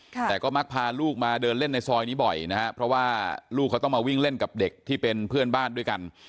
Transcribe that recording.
แต่ก็มักพาลูกมาเดินเล่นในซอยนี้บ่อยนะฮะเพราะว่าลูกเขาต้องมาวิ่งเล่นกับเด็กที่เป็นเพื่อนบ้านด้วยกัน